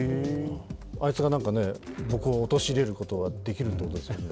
あいつがなんか、僕を陥れることができるってことですよね。